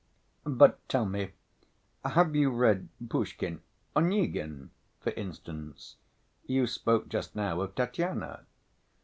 But tell me, have you read Pushkin—Onyegin, for instance?... You spoke just now of Tatyana."